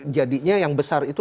jadinya yang besar itu